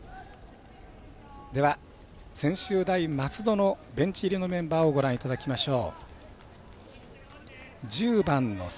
専修大松戸のベンチ入りのメンバーをご覧いただきましょう。